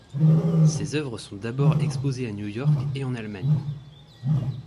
Ses œuvres sont d’abord exposées à New York et en Allemagne.